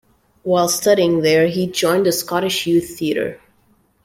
While studying there, he joined the Scottish Youth Theatre.